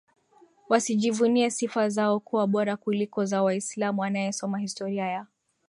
wasijivunie sifa zao kuwa bora kuliko za Waislamu Anayesoma Historia ya